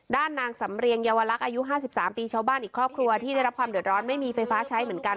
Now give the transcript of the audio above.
นางสำเรียงเยาวลักษณ์อายุ๕๓ปีชาวบ้านอีกครอบครัวที่ได้รับความเดือดร้อนไม่มีไฟฟ้าใช้เหมือนกัน